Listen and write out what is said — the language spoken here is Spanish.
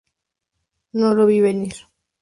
No lo vi venir.